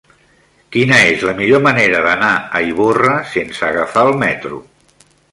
Quina és la millor manera d'anar a Ivorra sense agafar el metro?